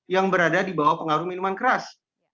yang berada di bawah pengaruh minuman keras